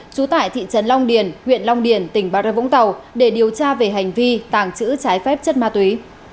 trú tại thị trấn long điền huyện long điền tỉnh bà rê vũng tàu để điều tra về hành vi tàng trữ trái phép chất ma túy